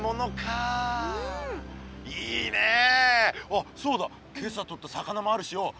あっそうだ今朝とった魚もあるしよ。